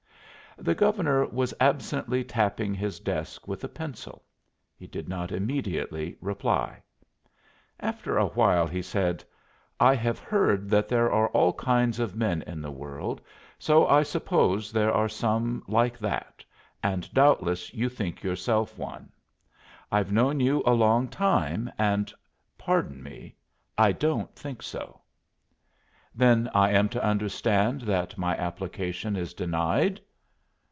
The Governor was absently tapping his desk with a pencil; he did not immediately reply. After a while he said: "I have heard that there are all kinds of men in the world, so I suppose there are some like that, and doubtless you think yourself one. I've known you a long time and pardon me I don't think so." "Then I am to understand that my application is denied?"